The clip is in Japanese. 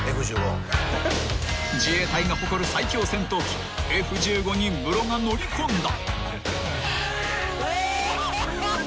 ［自衛隊が誇る最強戦闘機Ｆ−１５にムロが乗り込んだ］